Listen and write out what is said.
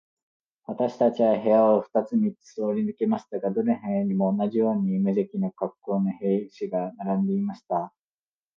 私たちは部屋を二つ三つ通り抜けましたが、どの部屋にも、同じような無気味な恰好の兵士が並んでいました。